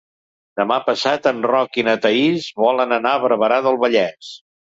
Demà passat en Roc i na Thaís volen anar a Barberà del Vallès.